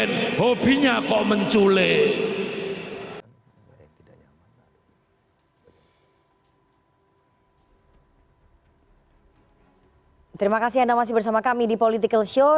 terima kasih anda masih bersama kami di political show